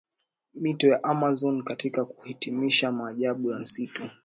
mito ya Amazon Katika kuhitimisha maajabu ya msitu